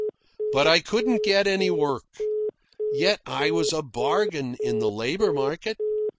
But I couldn't get any work. Yet I was a bargain in the labour market.